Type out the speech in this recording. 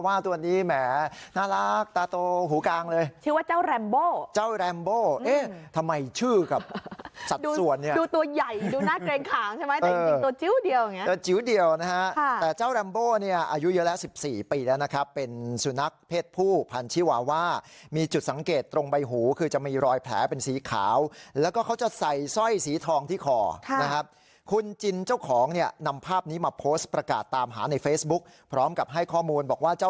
ดูตัวใหญ่ดูหน้าเกรงขางใช่ไหมแต่จริงตัวจิ๊วเดียวเนี่ยตัวจิ๊วเดียวนะฮะแต่เจ้าลัมโบ่เนี่ยอายุเยอะแรก๑๔ปีแล้วนะครับเป็นสุนัขเพศผู้พันธุ์ชิวาว่ามีจุดสังเกตตรงใบหูคือจะมีรอยแผลเป็นสีขาวแล้วก็เขาจะใส่สร้อยสีทองที่คอนะครับคุณจินเจ้าของเนี่ยนำภาพนี้มาโพสต์ประกา